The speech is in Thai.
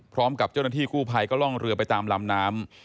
พร้อมกับเจ้าหน้าที่กู้ภัยก็ล่องเรือไปตามลำน้ำ